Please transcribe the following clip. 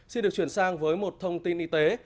xin được chuyển sang với một thông tin y tế